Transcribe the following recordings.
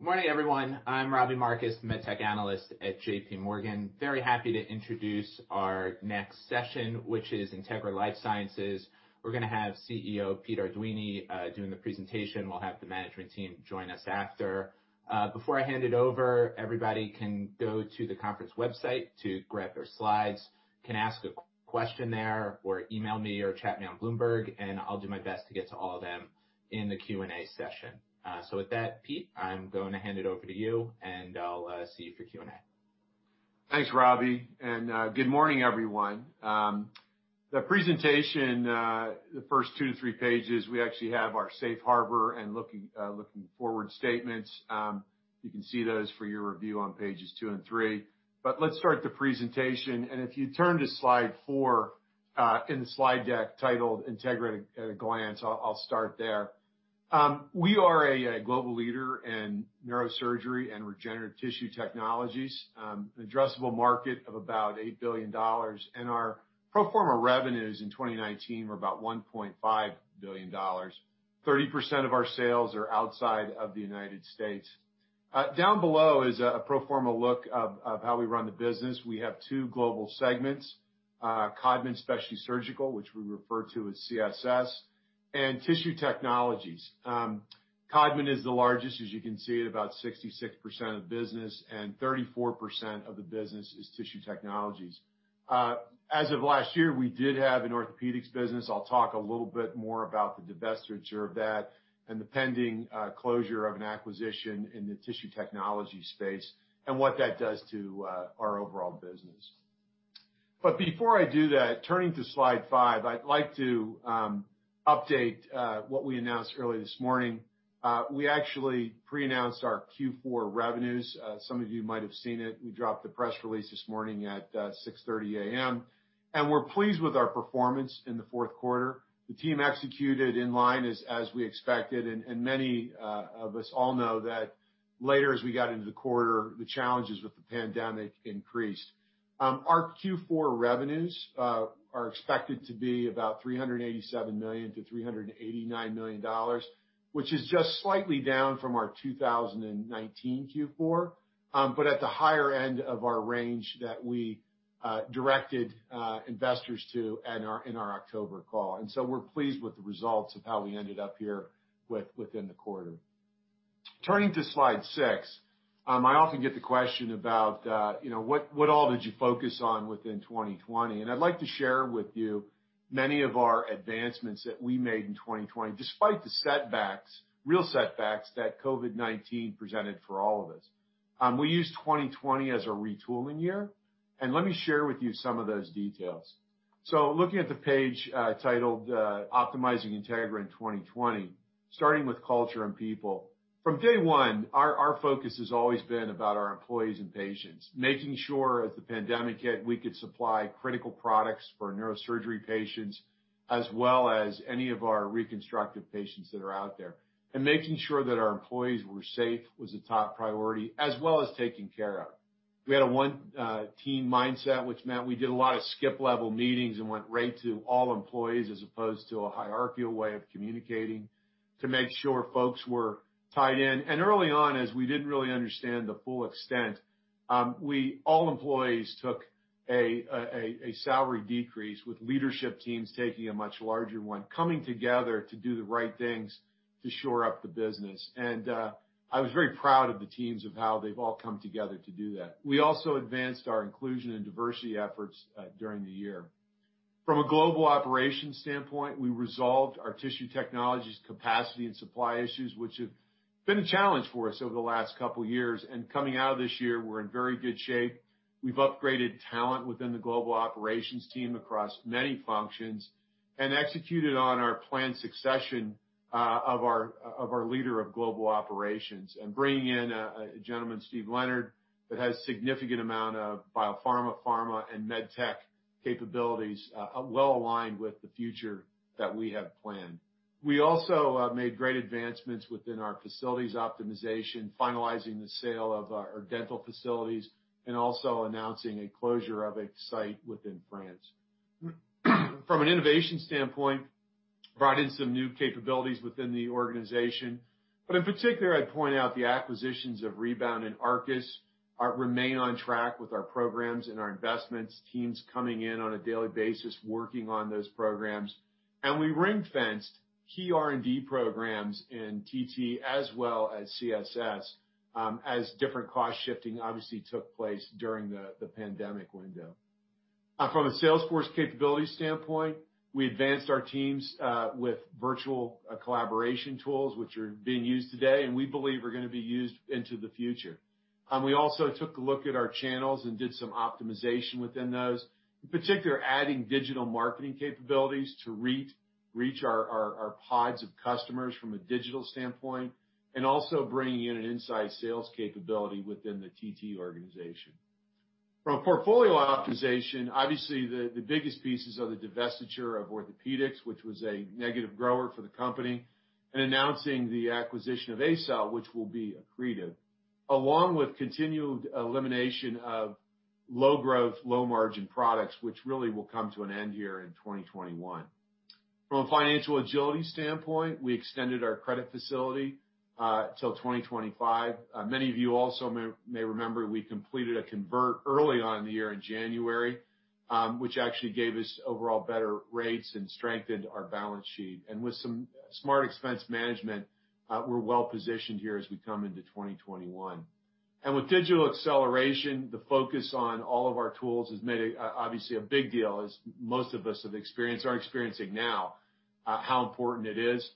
Good morning, everyone. I'm Robbie Marcus, MedTech analyst at JPMorgan. Very happy to introduce our next session, which is Integra LifeSciences. We're going to have CEO Pete Arduini doing the presentation. We'll have the management team join us after. Before I hand it over, everybody can go to the conference website to grab their slides. You can ask a question there or email me or chat me on Bloomberg, and I'll do my best to get to all of them in the Q&A session. So with that, Pete, I'm going to hand it over to you, and I'll see you for Q&A. Thanks, Robbie. And good morning, everyone. The presentation, the first two to three pages, we actually have our safe harbor and forward-looking statements. You can see those for your review on pages two and three. But let's start the presentation. And if you turn to slide four in the slide deck titled Integra at a Glance, I'll start there. We are a global leader in neurosurgery and regenerative tissue technologies, an addressable market of about $8 billion. And our pro forma revenues in 2019 were about $1.5 billion. 30% of our sales are outside of the United States. Down below is a pro forma look of how we run the business. We have two global segments: Codman Specialty Surgical, which we refer to as CSS, and Tissue Technologies. Codman is the largest, as you can see, at about 66% of the business, and 34% of the business is Tissue Technologies. As of last year, we did have an orthopedics business. I'll talk a little bit more about the divestiture of that and the pending closure of an acquisition in the tissue technology space and what that does to our overall business. But before I do that, turning to slide five, I'd like to update what we announced early this morning. We actually pre-announced our Q4 revenues. Some of you might have seen it. We dropped the press release this morning at 6:30 A.M., and we're pleased with our performance in the fourth quarter. The team executed in line as we expected, and many of us all know that later, as we got into the quarter, the challenges with the pandemic increased. Our Q4 revenues are expected to be about $387 million-$389 million, which is just slightly down from our 2019 Q4, but at the higher end of our range that we directed investors to in our October call, and so we're pleased with the results of how we ended up here within the quarter. Turning to slide six, I often get the question about, what all did you focus on within 2020, and I'd like to share with you many of our advancements that we made in 2020, despite the setbacks, real setbacks that COVID-19 presented for all of us. We used 2020 as a retooling year, and let me share with you some of those details. So looking at the page titled Optimizing Integra in 2020, starting with culture and people, from day one, our focus has always been about our employees and patients, making sure as the pandemic hit we could supply critical products for neurosurgery patients as well as any of our reconstructive patients that are out there. And making sure that our employees were safe was a top priority, as well as taking care of. We had a one-team mindset, which meant we did a lot of skip-level meetings and went right to all employees as opposed to a hierarchical way of communicating to make sure folks were tied in. And early on, as we didn't really understand the full extent, all employees took a salary decrease with leadership teams taking a much larger one, coming together to do the right things to shore up the business. I was very proud of the teams of how they've all come together to do that. We also advanced our inclusion and diversity efforts during the year. From a global operations standpoint, we resolved our tissue technologies capacity and supply issues, which have been a challenge for us over the last couple of years. Coming out of this year, we're in very good shape. We've upgraded talent within the global operations team across many functions and executed on our planned succession of our leader of global operations and bringing in a gentleman, Steve Leonard, that has a significant amount of biopharma, pharma, and medtech capabilities well aligned with the future that we have planned. We also made great advancements within our facilities optimization, finalizing the sale of our dental facilities and also announcing a closure of a site within France. From an innovation standpoint, we brought in some new capabilities within the organization but in particular, I'd point out the acquisitions of Rebound and Arkis. We remain on track with our programs and our investments, teams coming in on a daily basis, working on those programs and we ring-fenced key R&D programs in TT as well as CSS as different cost shifting obviously took place during the pandemic window. From a sales force capability standpoint, we advanced our teams with virtual collaboration tools, which are being used today and we believe are going to be used into the future. We also took a look at our channels and did some optimization within those, in particular adding digital marketing capabilities to reach our pods of customers from a digital standpoint and also bringing in an inside sales capability within the TT organization. From portfolio optimization, obviously the biggest pieces are the divestiture of orthopedics, which was a negative grower for the company, and announcing the acquisition of ACell, which will be accretive, along with continued elimination of low-growth, low-margin products, which really will come to an end here in 2021. From a financial agility standpoint, we extended our credit facility till 2025. Many of you also may remember we completed a convertible early on in the year in January, which actually gave us overall better rates and strengthened our balance sheet. With some smart expense management, we're well positioned here as we come into 2021. With digital acceleration, the focus on all of our tools has made it obviously a big deal, as most of us have experienced, are experiencing now how important it is.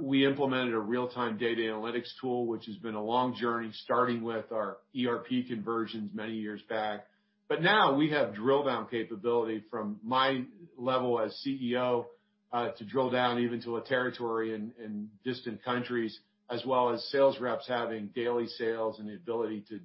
We implemented a real-time data analytics tool, which has been a long journey, starting with our ERP conversions many years back. But now we have drill-down capability from my level as CEO to drill down even to a territory in distant countries, as well as sales reps having daily sales and the ability to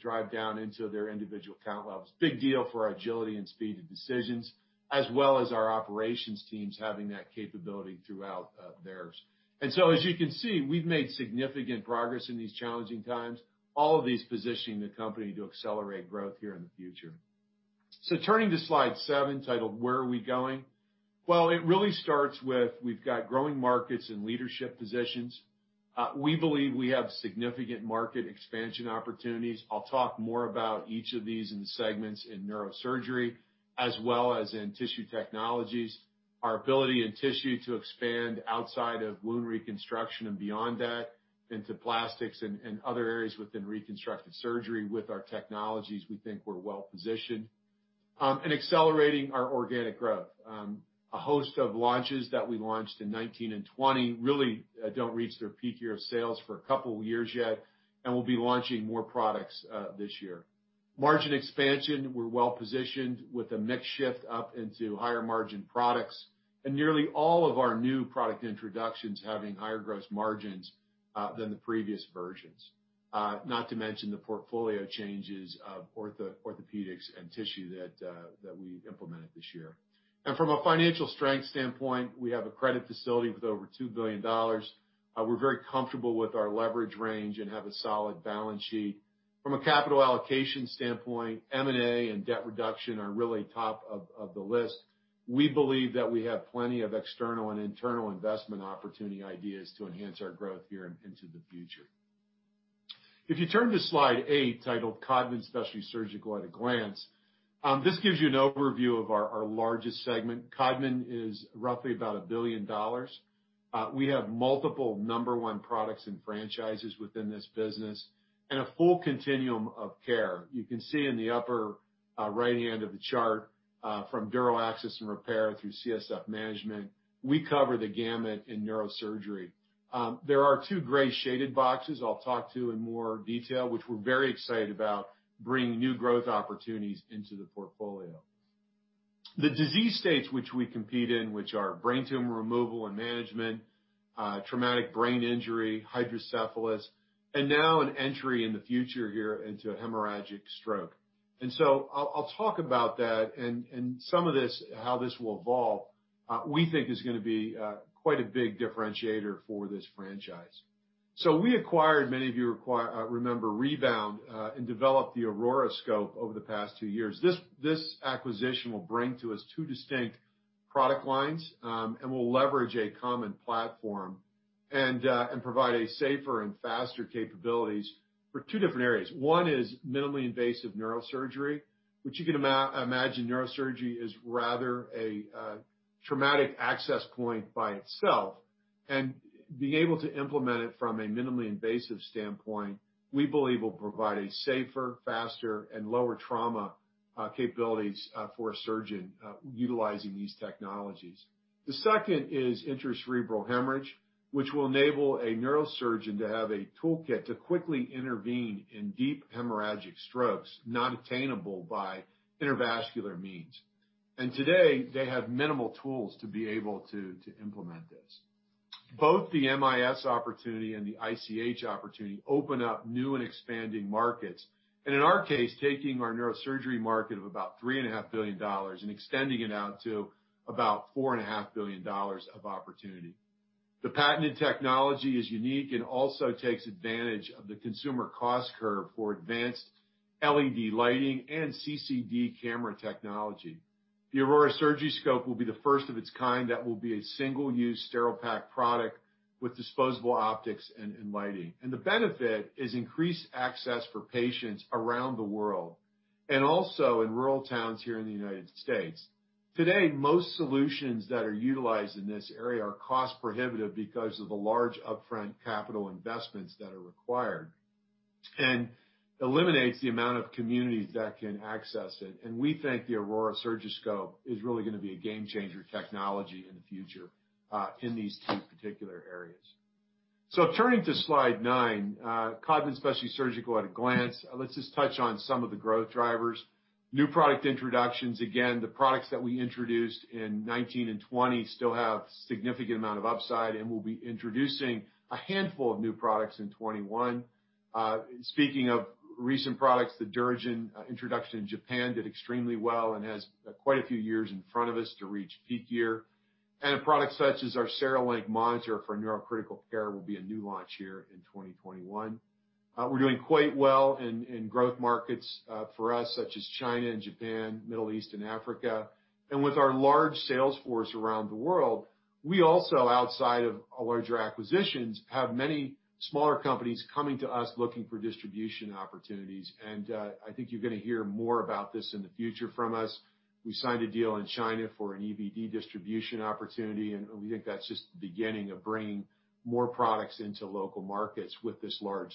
drive down into their individual account levels. Big deal for agility and speed of decisions, as well as our operations teams having that capability throughout theirs. And so, as you can see, we've made significant progress in these challenging times, all of these positioning the company to accelerate growth here in the future. So turning to slide seven titled, "Where are we going?" Well, it really starts with we've got growing markets and leadership positions. We believe we have significant market expansion opportunities. I'll talk more about each of these in the segments in neurosurgery as well as in tissue technologies. Our ability in tissue to expand outside of wound reconstruction and beyond that into plastics and other areas within reconstructive surgery with our technologies, we think we're well positioned, and accelerating our organic growth. A host of launches that we launched in 2019 and 2020 really don't reach their peak year of sales for a couple of years yet, and we'll be launching more products this year. Margin expansion, we're well positioned with a mix shift up into higher margin products and nearly all of our new product introductions having higher gross margins than the previous versions, not to mention the portfolio changes of orthopedics and tissue that we implemented this year. And from a financial strength standpoint, we have a credit facility with over $2 billion. We're very comfortable with our leverage range and have a solid balance sheet. From a capital allocation standpoint, M&A and debt reduction are really top of the list. We believe that we have plenty of external and internal investment opportunity ideas to enhance our growth here into the future. If you turn to slide eight titled Codman Specialty Surgical at a Glance, this gives you an overview of our largest segment. Codman is roughly about $1 billion. We have multiple number one products and franchises within this business and a full continuum of care. You can see in the upper right hand of the chart from Dural Access and Repair through CSF Management, we cover the gamut in neurosurgery. There are two gray shaded boxes I'll talk to in more detail, which we're very excited about bringing new growth opportunities into the portfolio. The disease states which we compete in, which are brain tumor removal and management, traumatic brain injury, hydrocephalus, and now an entry in the future here into hemorrhagic stroke. And so I'll talk about that and some of this, how this will evolve, we think is going to be quite a big differentiator for this franchise. So we acquired, many of you remember Rebound, and developed the Aurora Surgiscope over the past two years. This acquisition will bring to us two distinct product lines and will leverage a common platform and provide safer and faster capabilities for two different areas. One is minimally invasive neurosurgery, which you can imagine neurosurgery is rather a traumatic access point by itself. And being able to implement it from a minimally invasive standpoint, we believe will provide a safer, faster, and lower trauma capabilities for a surgeon utilizing these technologies. The second is intracerebral hemorrhage, which will enable a neurosurgeon to have a toolkit to quickly intervene in deep hemorrhagic strokes not attainable by intervascular means. Today, they have minimal tools to be able to implement this. Both the MIS opportunity and the ICH opportunity open up new and expanding markets. In our case, taking our neurosurgery market of about $3.5 billion and extending it out to about $4.5 billion of opportunity. The patented technology is unique and also takes advantage of the consumer cost curve for advanced LED lighting and CCD camera technology. The Aurora Surgiscope will be the first of its kind that will be a single-use sterile pack product with disposable optics and lighting. The benefit is increased access for patients around the world and also in rural towns here in the United States. Today, most solutions that are utilized in this area are cost prohibitive because of the large upfront capital investments that are required and eliminates the amount of communities that can access it, and we think the Aurora Surgiscope is really going to be a game changer technology in the future in these two particular areas, so turning to slide nine, Codman Specialty Surgical at a Glance, let's just touch on some of the growth drivers. New product introductions, again, the products that we introduced in 2019 and 2020 still have a significant amount of upside and will be introducing a handful of new products in 2021. Speaking of recent products, the DuraGen introduction in Japan did extremely well and has quite a few years in front of us to reach peak year. And a product such as our CereLink monitor for neurocritical care will be a new launch here in 2021. We're doing quite well in growth markets for us, such as China and Japan, Middle East and Africa. And with our large sales force around the world, we also, outside of our larger acquisitions, have many smaller companies coming to us looking for distribution opportunities. And I think you're going to hear more about this in the future from us. We signed a deal in China for an EVD distribution opportunity, and we think that's just the beginning of bringing more products into local markets with this large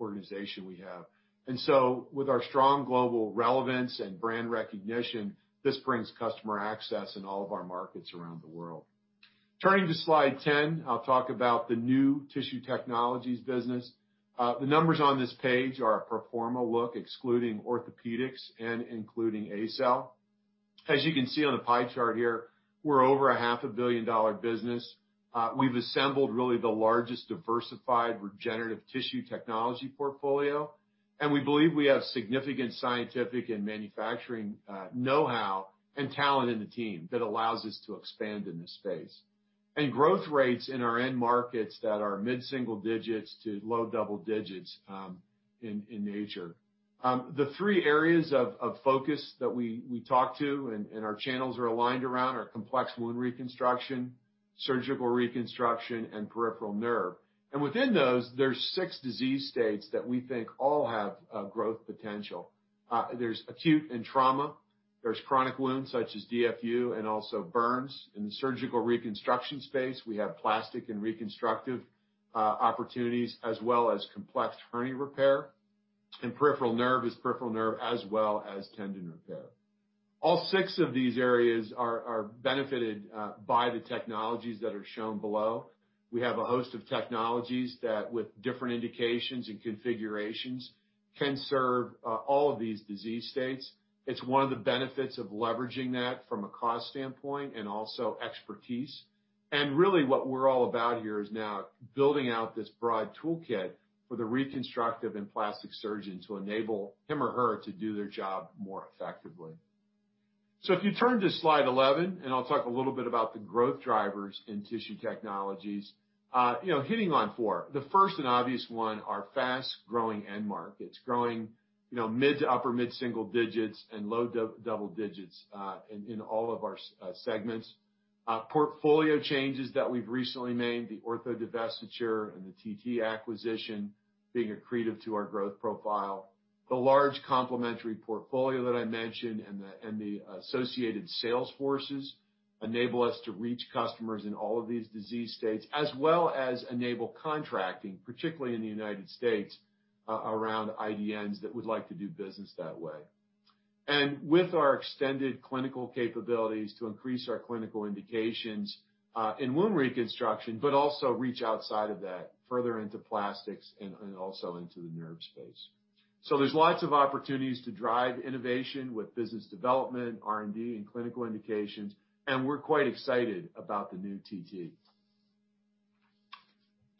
organization we have. And so with our strong global relevance and brand recognition, this brings customer access in all of our markets around the world. Turning to slide 10, I'll talk about the new tissue technologies business. The numbers on this page are a pro forma look, excluding orthopedics and including ACell. As you can see on the pie chart here, we're over $500 million business. We've assembled really the largest diversified regenerative tissue technology portfolio, and we believe we have significant scientific and manufacturing know-how and talent in the team that allows us to expand in this space, and growth rates in our end markets that are mid-single digits to low double digits in nature. The three areas of focus that we talk to and our channels are aligned around are complex wound reconstruction, surgical reconstruction, and peripheral nerve, and within those, there's six disease states that we think all have growth potential. There's acute and trauma. There's chronic wounds such as DFU and also burns. In the surgical reconstruction space, we have plastic and reconstructive opportunities as well as complex hernia repair. Peripheral nerve is peripheral nerve as well as tendon repair. All six of these areas are benefited by the technologies that are shown below. We have a host of technologies that, with different indications and configurations, can serve all of these disease states. It's one of the benefits of leveraging that from a cost standpoint and also expertise. Really what we're all about here is now building out this broad toolkit for the reconstructive and plastic surgeon to enable him or her to do their job more effectively. If you turn to slide 11, and I'll talk a little bit about the growth drivers in tissue technologies, hitting on four. The first and obvious one are fast-growing end markets, growing mid- to upper mid-single digits and low double digits in all of our segments. Portfolio changes that we've recently made, the ortho divestiture and the TT acquisition being accretive to our growth profile. The large complementary portfolio that I mentioned and the associated sales forces enable us to reach customers in all of these disease states, as well as enable contracting, particularly in the United States around IDNs that would like to do business that way, and with our extended clinical capabilities to increase our clinical indications in wound reconstruction, but also reach outside of that, further into plastics and also into the nerve space, so there's lots of opportunities to drive innovation with business development, R&D, and clinical indications, and we're quite excited about the new TT.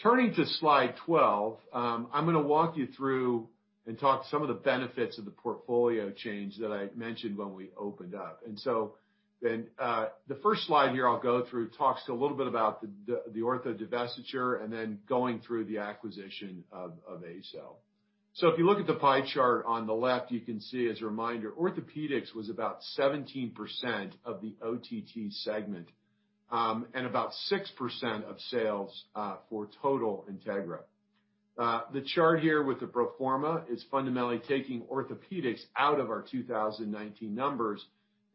Turning to slide 12, I'm going to walk you through and talk to some of the benefits of the portfolio change that I mentioned when we opened up. And so then the first slide here I'll go through talks to a little bit about the ortho divestiture and then going through the acquisition of Acell. So if you look at the pie chart on the left, you can see as a reminder, orthopedics was about 17% of the OTT segment and about 6% of sales for total Integra. The chart here with the pro forma is fundamentally taking orthopedics out of our 2019 numbers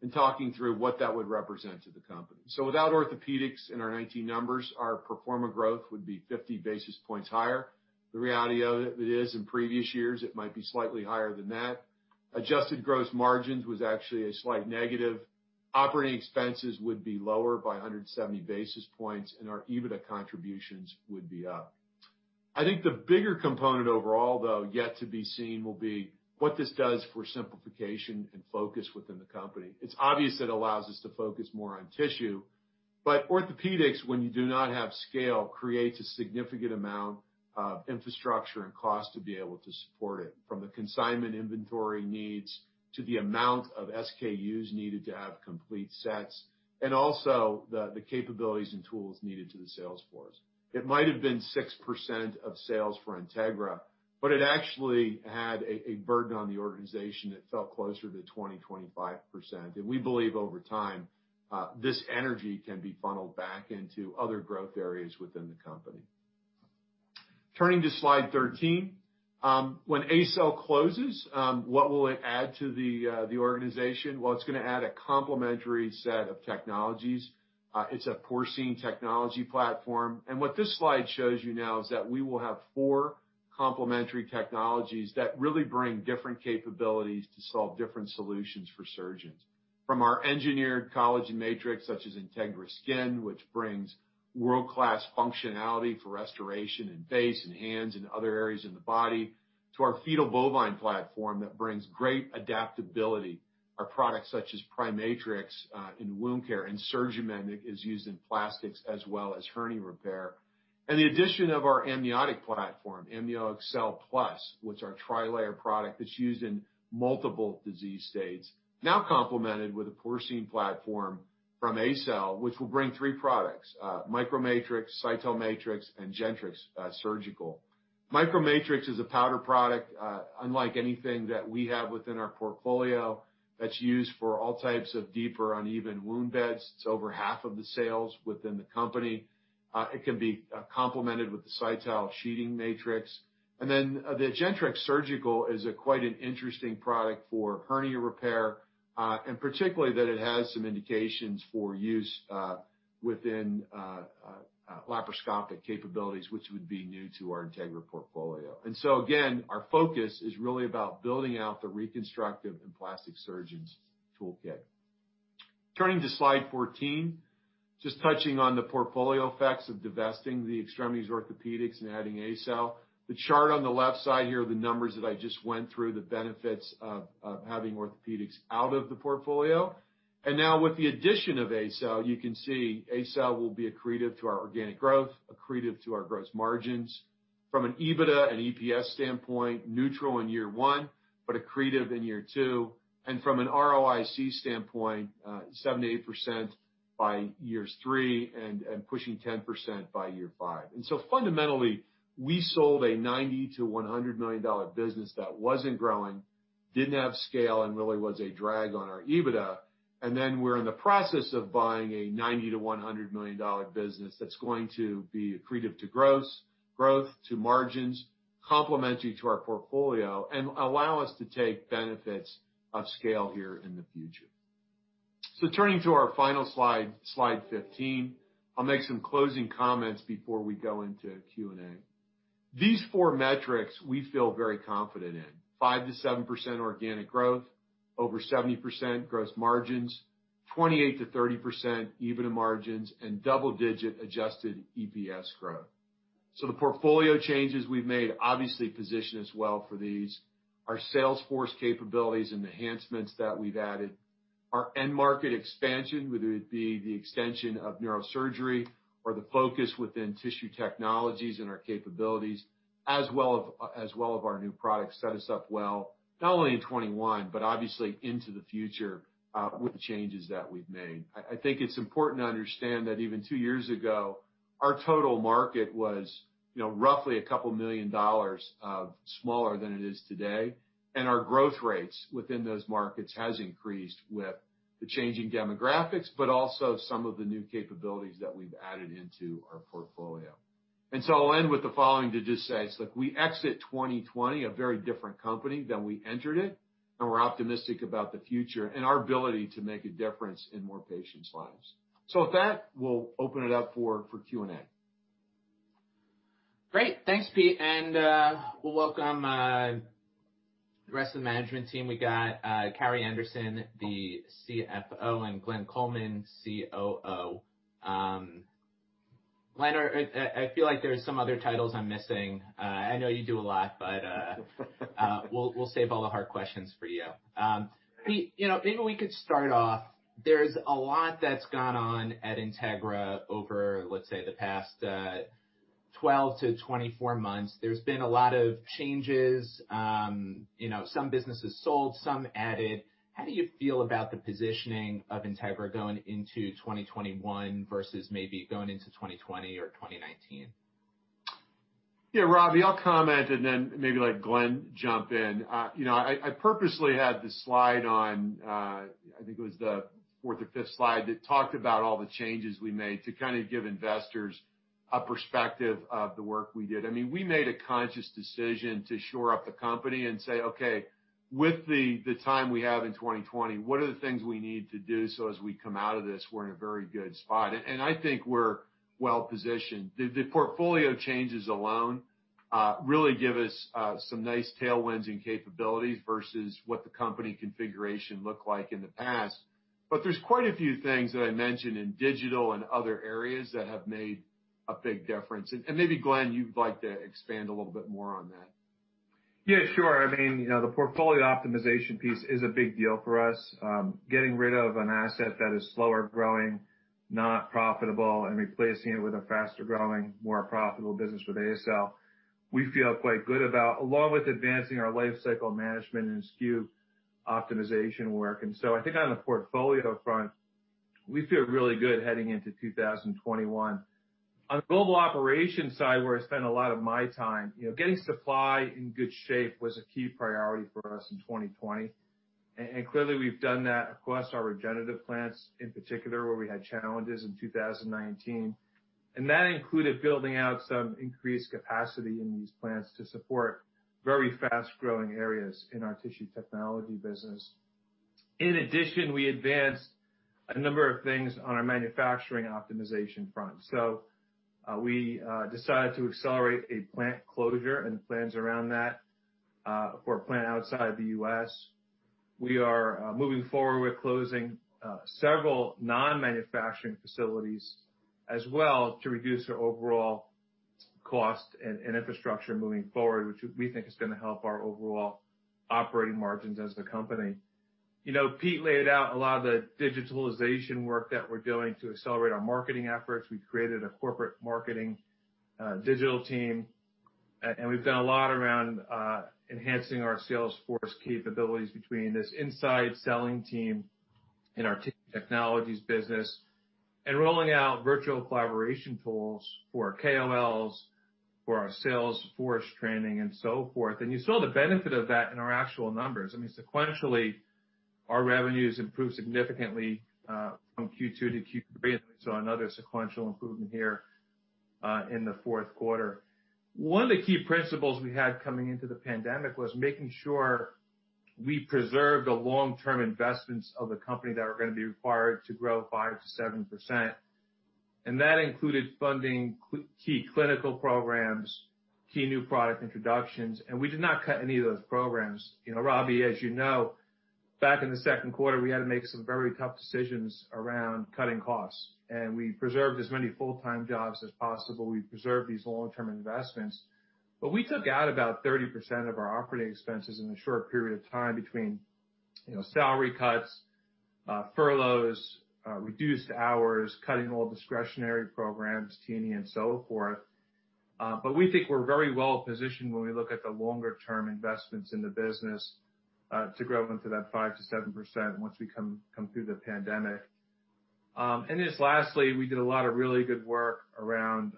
and talking through what that would represent to the company. So without orthopedics in our 2019 numbers, our pro forma growth would be 50 basis points higher. The reality of it is in previous years, it might be slightly higher than that. Adjusted gross margins was actually a slight negative. Operating expenses would be lower by 170 basis points, and our EBITDA contributions would be up. I think the bigger component overall, though, yet to be seen will be what this does for simplification and focus within the company. It's obvious it allows us to focus more on tissue, but orthopedics, when you do not have scale, creates a significant amount of infrastructure and cost to be able to support it, from the consignment inventory needs to the amount of SKUs needed to have complete sets, and also the capabilities and tools needed to the sales force. It might have been 6% of sales for Integra, but it actually had a burden on the organization that felt closer to 20%-25%. And we believe over time this energy can be funneled back into other growth areas within the company. Turning to slide 13, when ACell closes, what will it add to the organization? Well, it's going to add a complementary set of technologies. It's a porcine technology platform. And what this slide shows you now is that we will have four complementary technologies that really bring different capabilities to solve different solutions for surgeons. From our engineered collagen matrix, such as Integra Skin, which brings world-class functionality for restoration in face and hands and other areas in the body, to our fetal bovine platform that brings great adaptability, our products such as PriMatrix in wound care, and SurgiMend that is used in plastics as well as hernia repair. And the addition of our amniotic platform, AmnioExcel Plus, which is our tri-layer product that's used in multiple disease states, now complemented with a porcine platform from ACell, which will bring three products: MicroMatrix, Cytal, and Gentrix. MicroMatrix is a powder product, unlike anything that we have within our portfolio, that's used for all types of deeper uneven wound beds. It's over half of the sales within the company. It can be complemented with the Cytal sheeting matrix. Then the Gentrix Surgical is quite an interesting product for hernia repair, and particularly that it has some indications for use within laparoscopic capabilities, which would be new to our Integra portfolio. So again, our focus is really about building out the reconstructive and plastic surgeons' toolkit. Turning to slide 14, just touching on the portfolio effects of divesting the extremities orthopedics and adding ACell. The chart on the left side here are the numbers that I just went through, the benefits of having orthopedics out of the portfolio. Now with the addition of ACell, you can see ACell will be accretive to our organic growth, accretive to our gross margins. From an EBITDA and EPS standpoint, neutral in year one, but accretive in year two. From an ROIC standpoint, 78% by year three and pushing 10% by year five. So fundamentally, we sold a $90 million-$100 million business that wasn't growing, didn't have scale, and really was a drag on our EBITDA. Then we're in the process of buying a $90 million-$100 million business that's going to be accretive to gross, growth to margins, complementary to our portfolio, and allow us to take benefits of scale here in the future. Turning to our final slide, slide 15, I'll make some closing comments before we go into Q&A. These four metrics we feel very confident in: 5%-7% organic growth, over 70% gross margins, 28%-30% EBITDA margins, and double-digit adjusted EPS growth. The portfolio changes we've made obviously position us well for these. Our sales force capabilities and enhancements that we've added. Our end market expansion, whether it be the extension of neurosurgery or the focus within tissue technologies and our capabilities, as well as our new products set us up well, not only in 2021, but obviously into the future with the changes that we've made. I think it's important to understand that even two years ago, our total market was roughly $2 million smaller than it is today. And our growth rates within those markets have increased with the changing demographics, but also some of the new capabilities that we've added into our portfolio. And so I'll end with the following to just say, it's like we exit 2020 a very different company than we entered it, and we're optimistic about the future and our ability to make a difference in more patients' lives. So with that, we'll open it up for Q&A. Great. Thanks, Pete and we'll welcome the rest of the management team. We got Carrie Anderson, the CFO, and Glenn Coleman, COO. Glenn, I feel like there are some other titles I'm missing. I know you do a lot, but we'll save all the hard questions for you. Pete, maybe we could start off. There's a lot that's gone on at Integra over, let's say, the past 12 to 24 months. There's been a lot of changes. Some businesses sold, some added. How do you feel about the positioning of Integra going into 2021 versus maybe going into 2020 or 2019? Yeah, Rob, you'll comment, and then maybe let Glenn jump in. I purposely had the slide on, I think it was the fourth or fifth slide that talked about all the changes we made to kind of give investors a perspective of the work we did. I mean, we made a conscious decision to shore up the company and say, "Okay, with the time we have in 2020, what are the things we need to do so as we come out of this we're in a very good spot?" And I think we're well positioned. The portfolio changes alone really give us some nice tailwinds and capabilities versus what the company configuration looked like in the past. But there's quite a few things that I mentioned in digital and other areas that have made a big difference. And maybe Glenn, you'd like to expand a little bit more on that. Yeah, sure. I mean, the portfolio optimization piece is a big deal for us. Getting rid of an asset that is slower growing, not profitable, and replacing it with a faster growing, more profitable business with ACell, we feel quite good about, along with advancing our life cycle management and SKU optimization work. And so I think on the portfolio front, we feel really good heading into 2021. On the global operations side, where I spend a lot of my time, getting supply in good shape was a key priority for us in 2020. And clearly, we've done that across our regenerative plants in particular, where we had challenges in 2019. And that included building out some increased capacity in these plants to support very fast-growing areas in our tissue technology business. In addition, we advanced a number of things on our manufacturing optimization front. So we decided to accelerate a plant closure and plans around that for a plant outside the U.S. We are moving forward with closing several non-manufacturing facilities as well to reduce our overall cost and infrastructure moving forward, which we think is going to help our overall operating margins as a company. Pete laid out a lot of the digitalization work that we're doing to accelerate our marketing efforts. We created a corporate marketing digital team, and we've done a lot around enhancing our sales force capabilities between this inside selling team in our technologies business and rolling out virtual collaboration tools for our KOLs, for our sales force training, and so forth. And you saw the benefit of that in our actual numbers. I mean, sequentially, our revenues improved significantly from Q2 to Q3, and we saw another sequential improvement here in the fourth quarter. One of the key principles we had coming into the pandemic was making sure we preserved the long-term investments of the company that were going to be required to grow 5%-7%. And that included funding key clinical programs, key new product introductions. And we did not cut any of those programs. Robbie, as you know, back in the second quarter, we had to make some very tough decisions around cutting costs. And we preserved as many full-time jobs as possible. We preserved these long-term investments. But we took out about 30% of our operating expenses in a short period of time between salary cuts, furloughs, reduced hours, cutting all discretionary programs, T&E, and so forth. But we think we're very well positioned when we look at the longer-term investments in the business to grow into that 5%-7% once we come through the pandemic. And just lastly, we did a lot of really good work around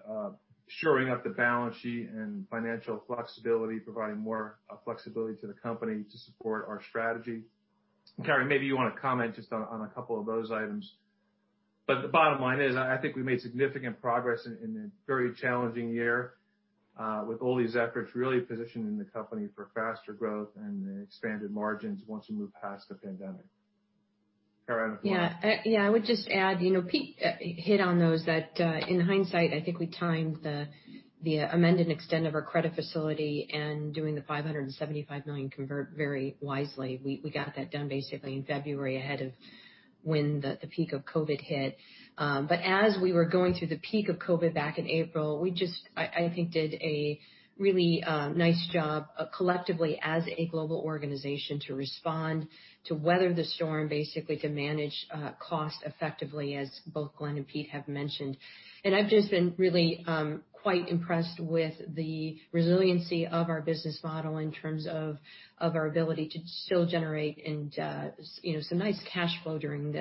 shoring up the balance sheet and financial flexibility, providing more flexibility to the company to support our strategy. Carrie, maybe you want to comment just on a couple of those items. But the bottom line is I think we made significant progress in a very challenging year with all these efforts really positioning the company for faster growth and expanded margins once we move past the pandemic. Yeah. Yeah, I would just add, Pete hit on those. That in hindsight, I think we timed the amended extension of our credit facility and doing the $575 million convert very wisely. We got that done basically in February ahead of when the peak of COVID hit. But as we were going through the peak of COVID back in April, we just, I think, did a really nice job collectively as a global organization to respond to weather the storm, basically to manage costs effectively, as both Glenn and Pete have mentioned. And I've just been really quite impressed with the resiliency of our business model in terms of our ability to still generate some nice cash flow during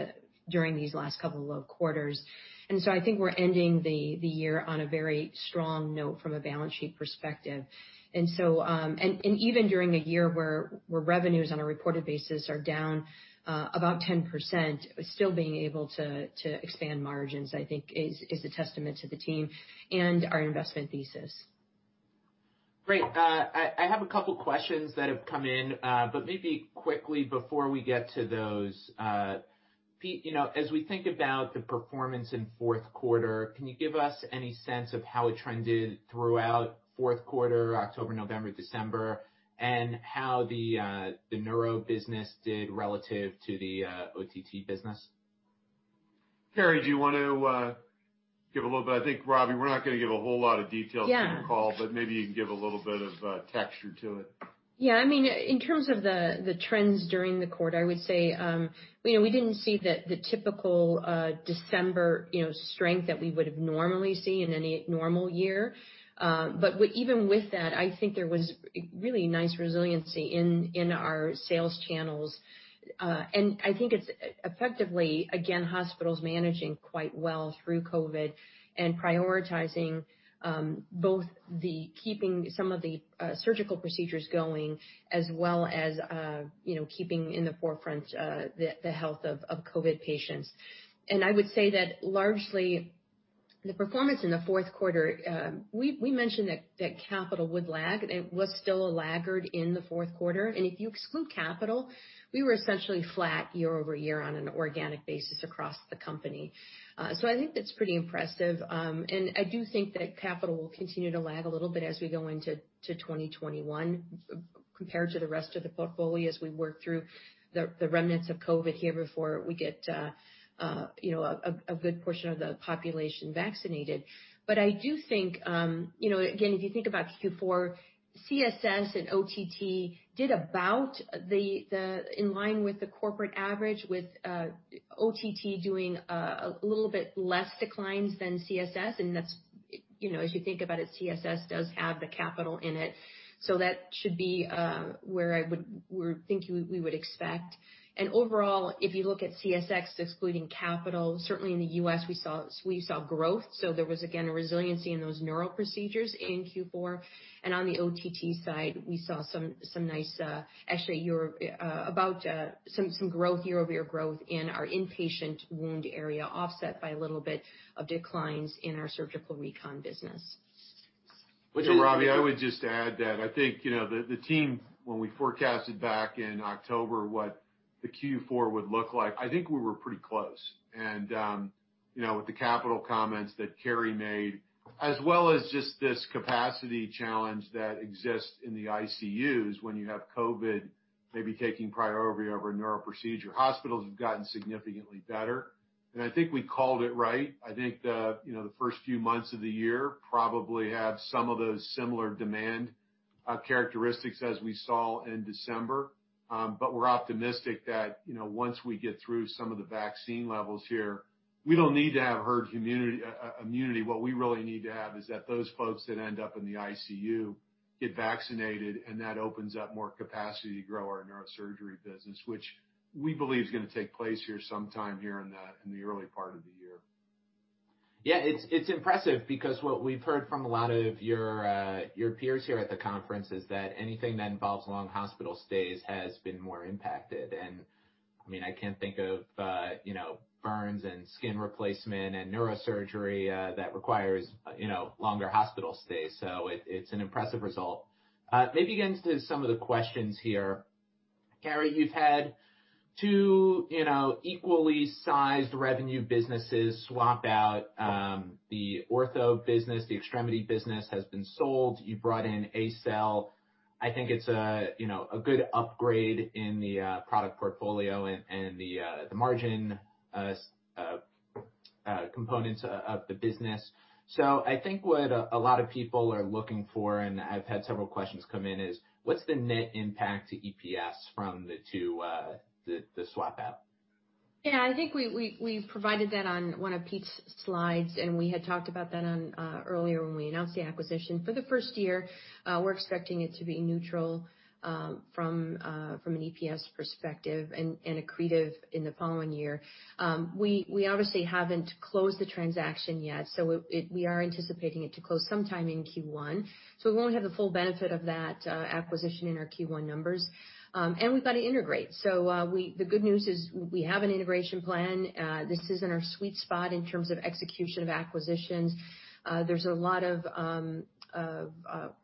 these last couple of quarters. And so I think we're ending the year on a very strong note from a balance sheet perspective. Even during a year where revenues on a reported basis are down about 10%, still being able to expand margins, I think, is a testament to the team and our investment thesis. Great. I have a couple of questions that have come in, but maybe quickly before we get to those. Pete, as we think about the performance in fourth quarter, can you give us any sense of how it trended throughout fourth quarter, October, November, December, and how the neuro business did relative to the OTT business? Carrie, do you want to give a little bit? I think, Robbie, we're not going to give a whole lot of details on the call, but maybe you can give a little bit of texture to it. Yeah. I mean, in terms of the trends during the quarter, I would say we didn't see the typical December strength that we would have normally seen in any normal year. But even with that, I think there was really nice resiliency in our sales channels. And I think it's effectively, again, hospitals managing quite well through COVID and prioritizing both keeping some of the surgical procedures going as well as keeping in the forefront the health of COVID patients. And I would say that largely the performance in the fourth quarter, we mentioned that capital would lag. It was still a laggard in the fourth quarter. And if you exclude capital, we were essentially flat year over year on an organic basis across the company. So I think that's pretty impressive. I do think that capital will continue to lag a little bit as we go into 2021 compared to the rest of the portfolio as we work through the remnants of COVID here before we get a good portion of the population vaccinated. I do think, again, if you think about Q4, CSS and OTT did about in line with the corporate average, with OTT doing a little bit less declines than CSS. As you think about it, CSS does have the capital in it. That should be where I would think we would expect. Overall, if you look at CSS excluding capital, certainly in the U.S., we saw growth. There was, again, a resiliency in those neuro procedures in Q4. On the OTT side, we saw some nice, actually, about some growth year over year growth in our inpatient wound area, offset by a little bit of declines in our surgical recon business. Robbie, I would just add that I think the team, when we forecasted back in October what the Q4 would look like, I think we were pretty close. And with the capital comments that Carrie made, as well as just this capacity challenge that exists in the ICUs when you have COVID maybe taking priority over a neuro procedure, hospitals have gotten significantly better. And I think we called it right. I think the first few months of the year probably have some of those similar demand characteristics as we saw in December. But we're optimistic that once we get through some of the vaccine levels here, we don't need to have herd immunity. What we really need to have is that those folks that end up in the ICU get vaccinated, and that opens up more capacity to grow our neurosurgery business, which we believe is going to take place here sometime in the early part of the year. Yeah. It's impressive because what we've heard from a lot of your peers here at the conference is that anything that involves long hospital stays has been more impacted. And I mean, I can't think of burns and skin replacement and neurosurgery that requires longer hospital stays. So it's an impressive result. Maybe against some of the questions here, Carrie, you've had two equally sized revenue businesses swap out the ortho business. The extremity business has been sold. You brought in ACell. I think it's a good upgrade in the product portfolio and the margin components of the business. So I think what a lot of people are looking for, and I've had several questions come in, is what's the net impact to EPS from the swap out? Yeah. I think we provided that on one of Pete's slides, and we had talked about that earlier when we announced the acquisition. For the first year, we're expecting it to be neutral from an EPS perspective and accretive in the following year. We obviously haven't closed the transaction yet, so we are anticipating it to close sometime in Q1. So we won't have the full benefit of that acquisition in our Q1 numbers. And we've got to integrate. So the good news is we have an integration plan. This is in our sweet spot in terms of execution of acquisitions. There's a lot of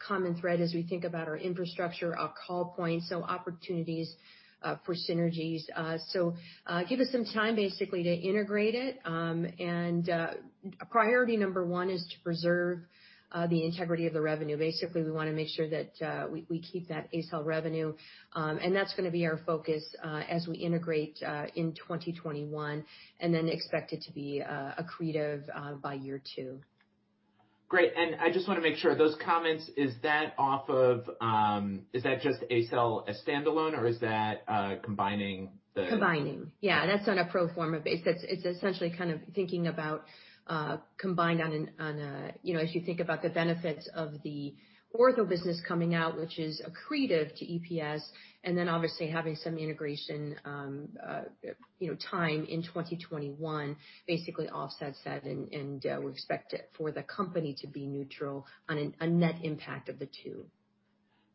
common thread as we think about our infrastructure, our call points, so opportunities for synergies. So give us some time basically to integrate it. And priority number one is to preserve the integrity of the revenue. Basically, we want to make sure that we keep that ACell revenue. And that's going to be our focus as we integrate in 2021 and then expect it to be accretive by year two. Great. And I just want to make sure those comments, is that just ACell standalone, or is that combining the? Combining. Yeah. That's on a pro forma basis. It's essentially kind of thinking about combined on a as you think about the benefits of the ortho business coming out, which is accretive to EPS, and then obviously having some integration time in 2021 basically offsets that. We expect for the company to be neutral on a net impact of the two.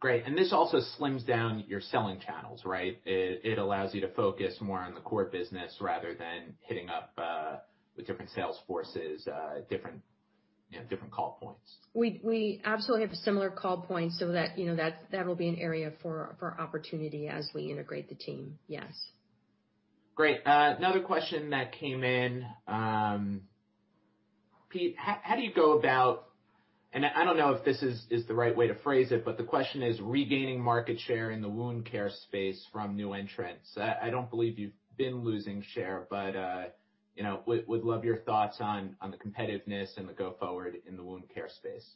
Great. And this also slims down your selling channels, right? It allows you to focus more on the core business rather than hitting up with different sales forces, different call points. We absolutely have a similar call point, so that will be an area for opportunity as we integrate the team. Yes. Great. Another question that came in. Pete, how do you go about, and I don't know if this is the right way to phrase it, but the question is regaining market share in the wound care space from new entrants. I don't believe you've been losing share, but would love your thoughts on the competitiveness and the go-forward in the wound care space.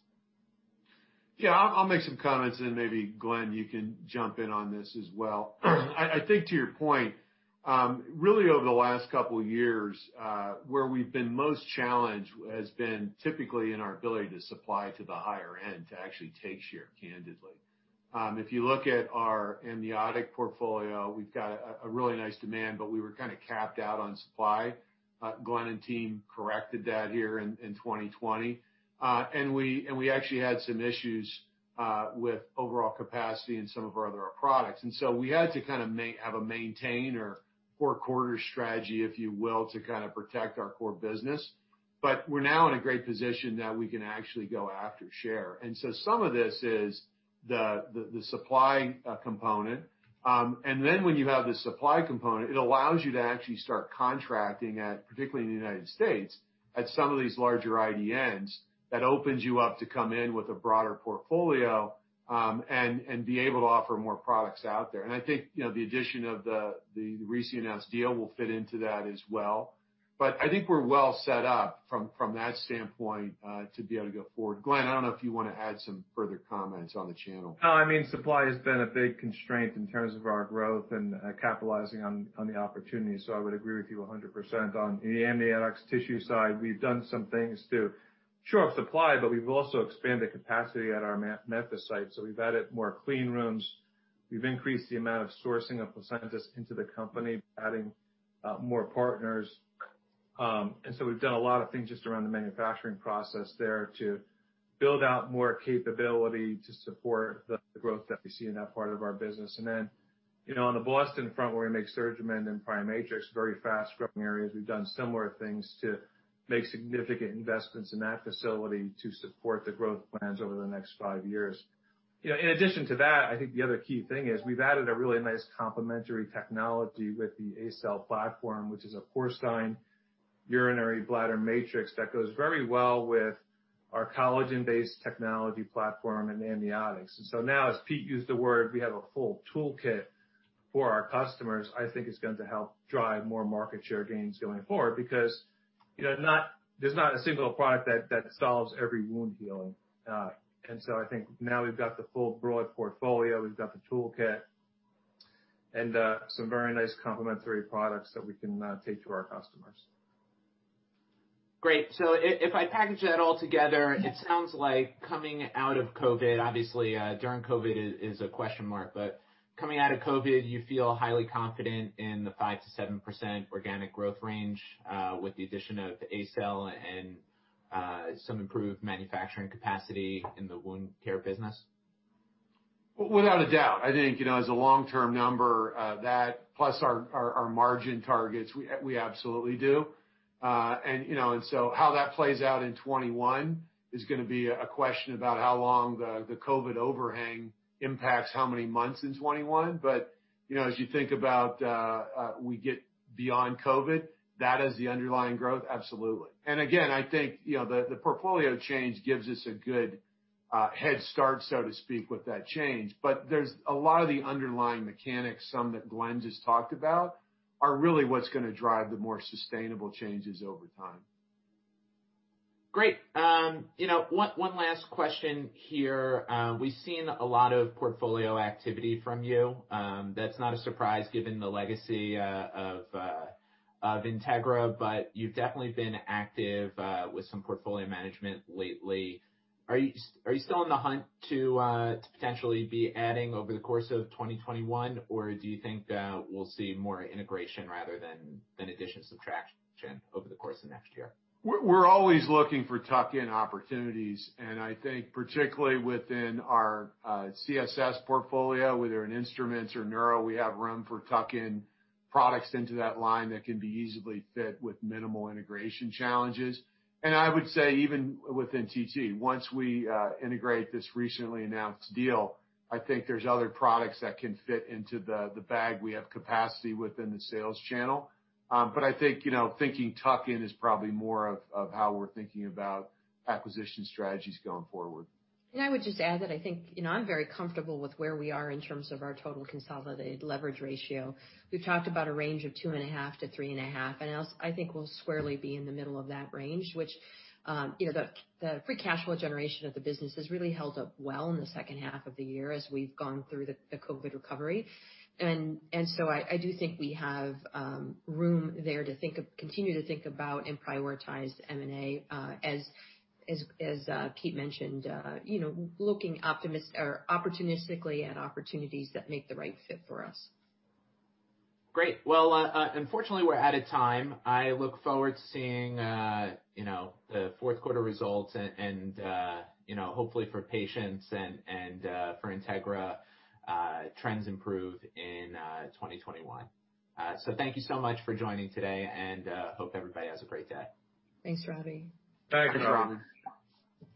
Yeah. I'll make some comments, and maybe Glenn, you can jump in on this as well. I think to your point, really over the last couple of years, where we've been most challenged has been typically in our ability to supply to the higher end to actually take share, candidly. If you look at our amniotic portfolio, we've got a really nice demand, but we were kind of capped out on supply. Glenn and team corrected that here in 2020, and we actually had some issues with overall capacity in some of our other products. And so we had to kind of have a maintain or four-quarter strategy, if you will, to kind of protect our core business, but we're now in a great position that we can actually go after share, and so some of this is the supply component. And then when you have the supply component, it allows you to actually start contracting, particularly in the United States, at some of these larger IDNs that opens you up to come in with a broader portfolio and be able to offer more products out there. And I think the addition of the recently announced deal will fit into that as well. But I think we're well set up from that standpoint to be able to go forward. Glenn, I don't know if you want to add some further comments on the channel. No, I mean, supply has been a big constraint in terms of our growth and capitalizing on the opportunity, so I would agree with you 100% on the amniotic tissue side. We've done some things to shore up supply, but we've also expanded capacity at our Memphis site, so we've added more clean rooms. We've increased the amount of sourcing of placentas into the company, adding more partners, and so we've done a lot of things just around the manufacturing process there to build out more capability to support the growth that we see in that part of our business, and then on the Boston front, where we make SurgiMend and PriMatrix, very fast-growing areas, we've done similar things to make significant investments in that facility to support the growth plans over the next five years. In addition to that, I think the other key thing is we've added a really nice complementary technology with the ACell platform, which is a porcine urinary bladder matrix that goes very well with our collagen-based technology platform and amniotics. And so now, as Pete used the word, we have a full toolkit for our customers. I think it's going to help drive more market share gains going forward because there's not a single product that solves every wound healing. And so I think now we've got the full broad portfolio. We've got the toolkit and some very nice complementary products that we can take to our customers. Great. So if I package that all together, it sounds like coming out of COVID, obviously during COVID is a question mark, but coming out of COVID, you feel highly confident in the 5%-7% organic growth range with the addition of ACell and some improved manufacturing capacity in the wound care business? Without a doubt. I think as a long-term number, that plus our margin targets, we absolutely do. And so how that plays out in 2021 is going to be a question about how long the COVID overhang impacts how many months in 2021. But as you think about, we get beyond COVID, that is the underlying growth, absolutely. And again, I think the portfolio change gives us a good head start, so to speak, with that change. But there's a lot of the underlying mechanics, some that Glenn just talked about, are really what's going to drive the more sustainable changes over time. Great. One last question here. We've seen a lot of portfolio activity from you. That's not a surprise given the legacy of Integra, but you've definitely been active with some portfolio management lately. Are you still on the hunt to potentially be adding over the course of 2021, or do you think we'll see more integration rather than addition subtraction over the course of next year? We're always looking for tuck-in opportunities. I think particularly within our CSS portfolio, whether in instruments or neuro, we have room for tuck-in products into that line that can be easily fit with minimal integration challenges. I would say even within TT, once we integrate this recently announced deal, I think there's other products that can fit into the bag. We have capacity within the sales channel. I think thinking tuck-in is probably more of how we're thinking about acquisition strategies going forward. And I would just add that I think I'm very comfortable with where we are in terms of our total consolidated leverage ratio. We've talked about a range of two and a half to three and a half. And I think we'll squarely be in the middle of that range, which the free cash flow generation of the business has really held up well in the second half of the year as we've gone through the COVID recovery. And so I do think we have room there to continue to think about and prioritize M&A, as Pete mentioned, looking opportunistically at opportunities that make the right fit for us. Great. Well, unfortunately, we're out of time. I look forward to seeing the fourth quarter results and hopefully for patients and for Integra, trends improve in 2021. So thank you so much for joining today, and hope everybody has a great day. Thanks, Robbie. Thanks, Robbie.